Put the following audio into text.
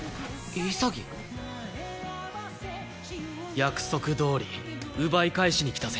約束どおり奪い返しに来たぜ。